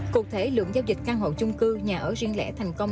cụ thể lượng giao dịch căn hộ chung cư nhà ở riêng lẻ thành công